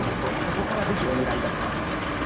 そこからぜひお願いいたします。